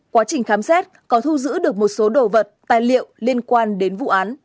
quá trình khám xét có thu giữ được một số đồ vật tài liệu liên quan đến vụ án